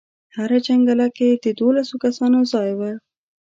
هره جنګله کې د دولسو کسانو ځای و.